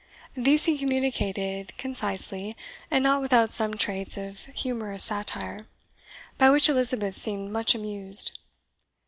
These he communicated concisely, and not without some traits of humorous satire, by which Elizabeth seemed much amused.